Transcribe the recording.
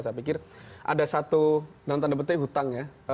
saya pikir ada satu nantanya betulnya hutang ya